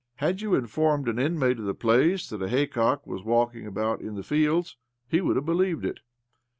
Had you informed an inmate of the place that a haycock was walking about in the fields, he would have believed it.